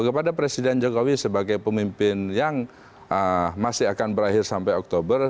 kepada presiden jokowi sebagai pemimpin yang masih akan berakhir sampai oktober